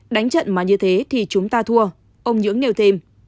đánh trận mà như thế thì chúng ta thua ông nhưỡng nêu thêm